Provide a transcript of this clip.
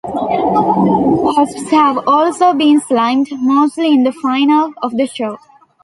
Hosts have also been slimed, mostly in the finale of the show.